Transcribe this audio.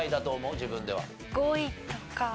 自分では。